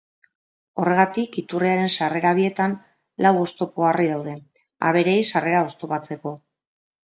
Horregatik, iturriaren sarrera bietan lau oztopo-harri daude, abereei sarrera oztopatzeko.